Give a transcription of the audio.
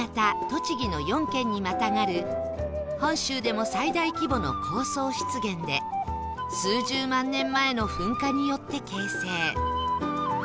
栃木の４県にまたがる本州でも最大規模の高層湿原で数十万年前の噴火によって形成